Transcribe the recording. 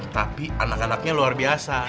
tapi anak anaknya luar biasa